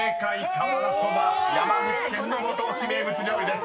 瓦そば「山口県」のご当地名物料理です］